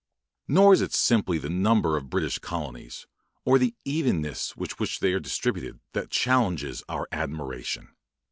Nor is it simply the number of the British colonies, or the evenness with which they are distributed, that challenges our admiration.